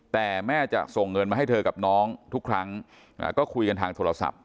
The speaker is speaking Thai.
แต่แม่จะส่งเงินมาให้เธอกับน้องทุกครั้งก็คุยกันทางโทรศัพท์